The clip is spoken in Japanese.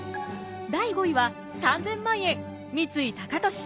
第５位は３，０００万円三井高利。